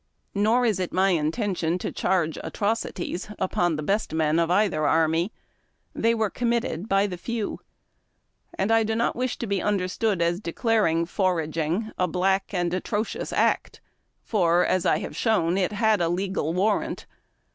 Nor is it my intention to charge atroci ties upon the best men of either army. They were com mitted by the few. And I do not wish to be understood as declaring foraging a black and atrocious act, for, as I have shown, it liad a legal warrant.